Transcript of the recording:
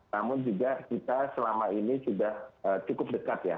namun juga kita selama ini sudah cukup dekat ya